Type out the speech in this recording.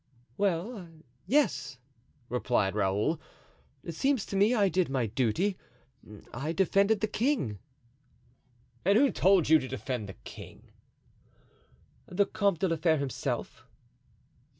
"Well, yes," replied Raoul. "It seems to me I did my duty. I defended the king." "And who told you to defend the king?" "The Comte de la Fere himself."